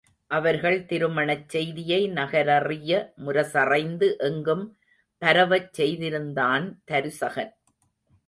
அவர்கள் திருமணச் செய்தியை நகரறிய முரசறைந்து எங்கும் பரவச் செய்திருந்தான் தருசகன்.